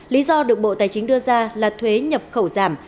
lý do được bộ tài chính đưa ra là thuế nhập khẩu giảm